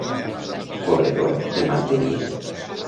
Corredora de mantellina.